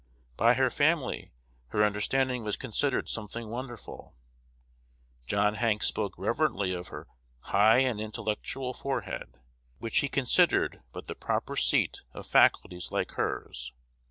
By her family, her understanding was considered something wonderful. John Hanks spoke reverently of her "high and intellectual forehead," which he considered but the proper seat of faculties like hers.